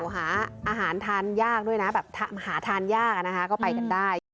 หาอาหารทานยากด้วยนะแบบหาทานยากนะคะก็ไปกันได้